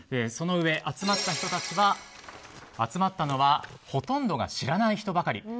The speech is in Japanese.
そのうえ、集まった人たちは集まったのはほとんどが知らない人ばかり。